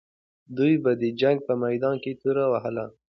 دوی به د جنګ په میدان کې توره وهله.